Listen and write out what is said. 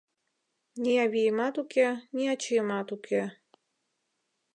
Ни авиемат уке, ни ачиемат уке